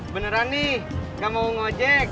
beneran nih gak mau ngojek